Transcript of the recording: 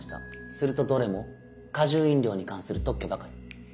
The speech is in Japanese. するとどれも果汁飲料に関する特許ばかり。